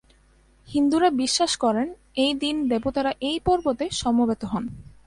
হিন্দুরা বিশ্বাস করেন, এই দিন দেবতারা এই পর্বতে সমবেত হন।